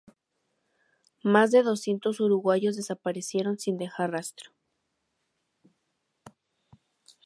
Más de doscientos uruguayos desaparecieron sin dejar rastro.